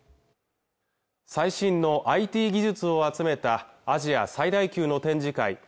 最新のＩＴ技術を集めたアジア最大級の展示会